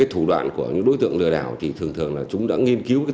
thủ đoạn của những đối tượng lừa đảo thì thường thường là chúng đã nghiên cứu